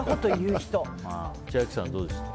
千秋さん、どうですか。